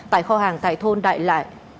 tại kho hàng tài thôn đại lại